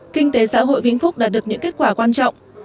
kinh tế xã hội vĩnh phúc đã được những kết quả quan trọng